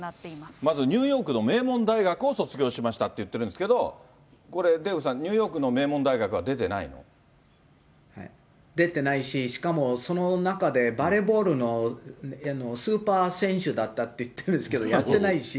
まずニューヨークの名門大学を卒業しましたって言ってるんですけど、これ、デーブさん、ニューヨークの名門大学は出てないの出てないし、しかもその中でバレーボールのスーパー選手だったって言ってるんですけど、やってないし。